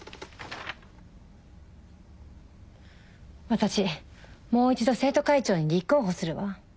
私もう一度生徒会長に立候補するわ。